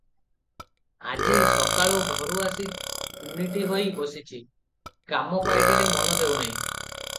ଆଜି ସକାଳୁ ଘରୁ ଆସି ତୁନିଟି ହୋଇ ବସିଛି, କାମ ପାଇଟିରେ ମନ ଦେଉ ନାହିଁ ।